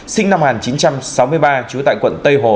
sinh năm một nghìn chín trăm sáu mươi ba trú tại quận tây hồ